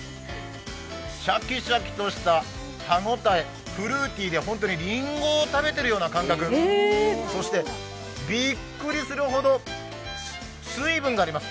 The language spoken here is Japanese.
シャキシャキとした歯応えフルーティーでりんごを食べているような感覚そして、びっくりするほど水分があります。